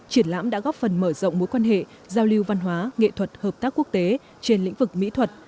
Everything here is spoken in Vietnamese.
triển lãm đã góp phần mở rộng mối quan hệ giao lưu văn hóa nghệ thuật hợp tác quốc tế trên lĩnh vực mỹ thuật